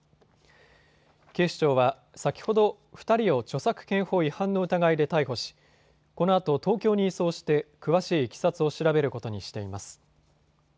警視庁は先ほど、２人を著作権法違反の疑いで逮捕し、このあと東京に移送して詳しいいきさつを調べることにしています。